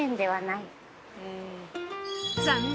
残念！